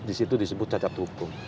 di situ disebut cacat hukum